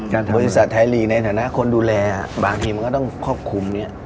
บริษัทไทยลีงในฐานะคนดูแลบางทีมันก็ต้องควบคุม